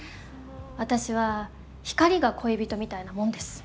私は光が恋人みたいなもんです。